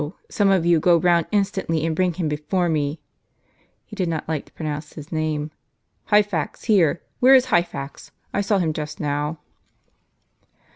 some of you, go round instantly and bring him before me " (he did not like to pronounce his name). "Hyphax here! Where is Hyphax? I saw him just now."